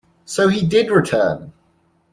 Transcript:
So he did return!